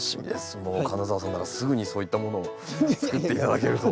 もう金澤さんならすぐにそういったものをつくって頂けると。